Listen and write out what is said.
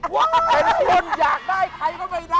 คนอยากได้ใครก็ไม่ได้